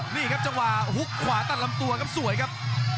นี่ครับจังหวะฮุกขวาตัดลำตัวครับสวยครับ